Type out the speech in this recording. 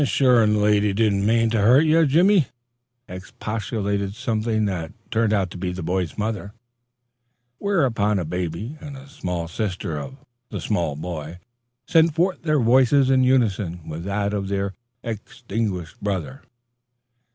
"An' sure the lady didn't mane to hurt ye, Jimmy," expostulated something that turned out to be the boy's mother, whereupon a baby and a small sister of the small boy sent forth their voices in unison with that of their extinguished brother.